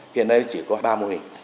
hiện nay chỉ có ba mô hình